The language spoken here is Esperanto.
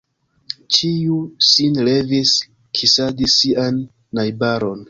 Ĉiu sin levis, kisadis sian najbaron.